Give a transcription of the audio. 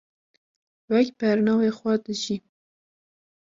wek bernavê xwe dijî